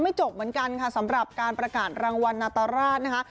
จบเหมือนกันค่ะสำหรับการประกาศรางวัลนาตราชนะคะ